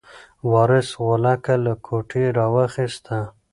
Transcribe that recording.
وارث غولکه له کوټې راواخیسته.